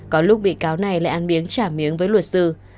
có lúc bị cáo này lại ăn biếng chả miếng với luật sư